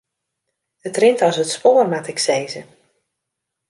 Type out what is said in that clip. It rint as it spoar moat ik sizze.